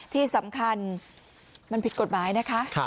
ที่สำคัญมันผิดกฎหมายนะคะ